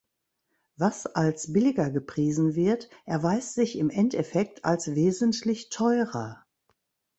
Was als billiger gepriesen wird, erweist sich im Endeffekt als wesentlich teurer.